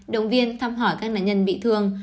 động viên thăm hỏi các nạn nhân bị thương